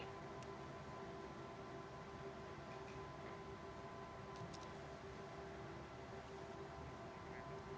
bagaimana cara kita menjaga keamanan